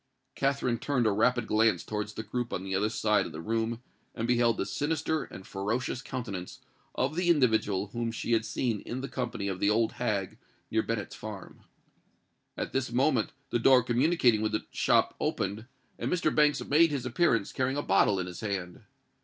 Katherine turned a rapid glance towards the group on the other side of the room, and beheld the sinister and ferocious countenance of the individual whom she had seen in the company of the old hag near Bennet's farm. At this moment the door communicating with the shop opened, and Mr. Banks made his appearance, carrying a bottle in his hand.